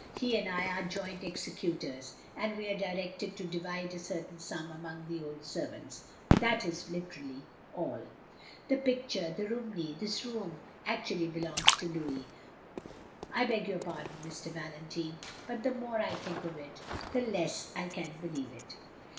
He and I are joint executors, and we are directed to divide a certain stam among the old servants. That is UteraUy all." "The picture — ^the Romney — ^this room — ^act ually belongs to Louis. I beg your pardon, Mr. Valentine, but the more I think of it, the less I can believe it."